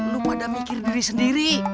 lu pada mikir diri sendiri